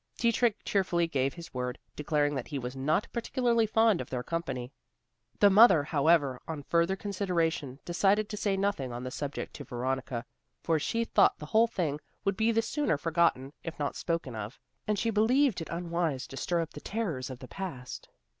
Dietrich cheerfully gave his word; declaring that he was not particularly fond of their company. The mother, however, on further consideration, decided to say nothing on the subject to Veronica, for she thought the whole thing would be the sooner forgotten if not spoken of, and she believed it unwise to stir up the terrors of the past.